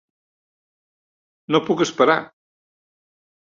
No puc esperar!